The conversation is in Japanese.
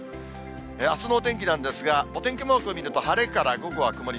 あすのお天気なんですが、お天気マークを見ると晴れから、午後は曇り。